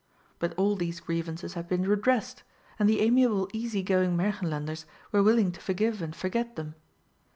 But all these grievances had been redressed, and the amiable easygoing Märchenlanders were willing to forgive and forget them.